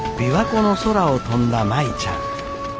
琵琶湖の空を飛んだ舞ちゃん。